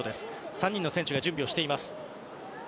３人の選手が準備をしています。